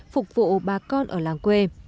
phục vụ bà con ở làng quê